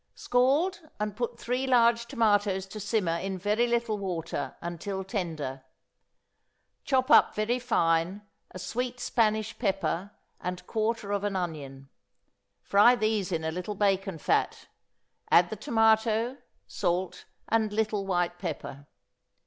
= Scald and put three large tomatoes to simmer in very little water, until tender: chop up very fine a sweet Spanish pepper and quarter of an onion; fry these in a little bacon fat; add the tomato, salt, and little white pepper.